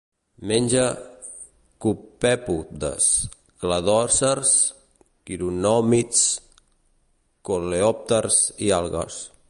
Menja copèpodes, cladòcers, quironòmids, coleòpters i algues.